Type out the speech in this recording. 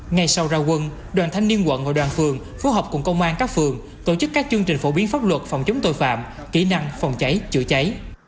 ngay sau ra quân đoàn thanh niên quận ngồi đoàn phường phối hợp cùng công an các phường tổ chức các chương trình phổ biến pháp luật phòng chống tội phạm kỹ năng phòng cháy chữa cháy